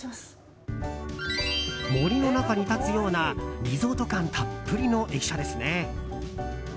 森の中に立つようなリゾート感たっぷりの駅舎ですね。